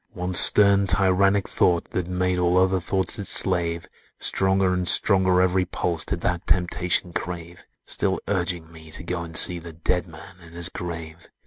"One stern, tyrannic thought, that made All other thoughts its slave; Stronger and stronger every pulse Did that temptation crave,— Still urging me to go and see The Dead Man in his grave!